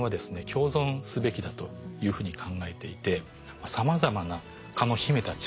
共存すべきだというふうに考えていてさまざまな蚊の秘めた力。